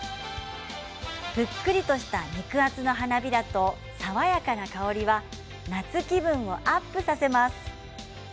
ぷっくりとした肉厚の花びらと爽やかな香りは夏気分をアップさせます。